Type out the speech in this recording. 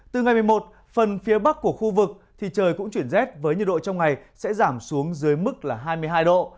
từ ngày một mươi một phần phía bắc của khu vực thì trời cũng chuyển rét với nhiệt độ trong ngày sẽ giảm xuống dưới mức là hai mươi hai độ